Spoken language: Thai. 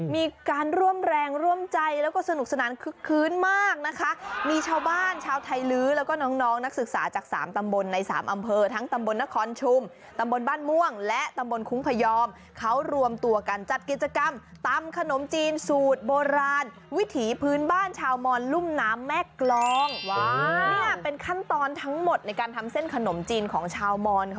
มีการร่วมแรงร่วมใจแล้วก็สนุกสนานคึกคื้นมากนะคะมีชาวบ้านชาวไทยลื้อแล้วก็น้องน้องนักศึกษาจากสามตำบลในสามอำเภอทั้งตำบลนครชุมตำบลบ้านม่วงและตำบลคุ้งพยอมเขารวมตัวกันจัดกิจกรรมตำขนมจีนสูตรโบราณวิถีพื้นบ้านชาวมอนลุ่มน้ำแม่กรองเนี่ยเป็นขั้นตอนทั้งหมดในการทำเส้นขนมจีนของชาวมอนค่ะ